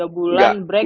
tiga bulan break